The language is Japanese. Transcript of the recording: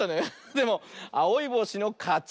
でもあおいぼうしのかち。